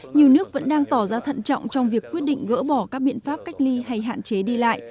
nhiều nước vẫn đang tỏ ra thận trọng trong việc quyết định gỡ bỏ các biện pháp cách ly hay hạn chế đi lại